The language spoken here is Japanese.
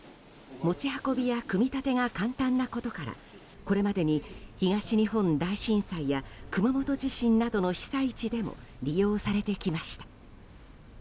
持ち運びや組み立てが簡単なことからこれまでに東日本大震災や熊本地震などの被災地でも利用されてきました。